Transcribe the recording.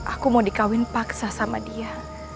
aku mau dikawin paksa sama dia